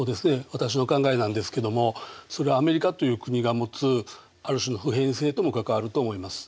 私の考えなんですけどもそれはアメリカという国が持つある種の普遍性とも関わると思います。